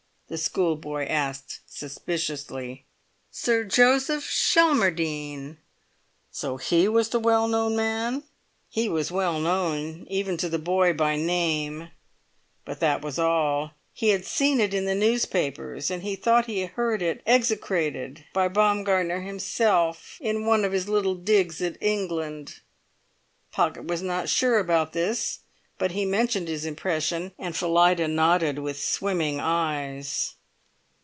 the schoolboy asked suspiciously. "Sir Joseph Schelmerdine." "So he was the well known man!" He was well known even to the boy by name, but that was all. He had seen it in newspapers, and he thought he had heard it execrated by Baumgartner himself in one of his little digs at England. Pocket was not sure about this, but he mentioned his impression, and Phillida nodded with swimming eyes.